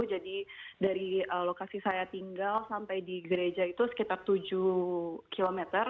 dari lokasi saya tinggal sampai di gereja itu sekitar tujuh km